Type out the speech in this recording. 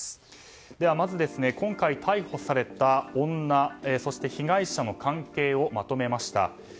まず今回、逮捕された女そして被害者の関係をまとめました。